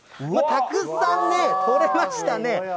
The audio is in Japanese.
たくさんね、取れましたね。